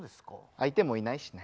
相手もいないしね。